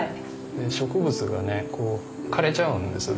植物がね枯れちゃうんです